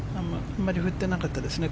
あまり振ってなかったですね。